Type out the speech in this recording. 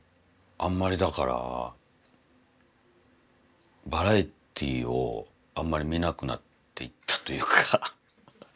あんまりだからバラエティーをあんまり見なくなっていったというか。